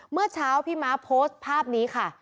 เมื่อเช้าพี่ม้าโพสต์ภาพนี้ค่ะ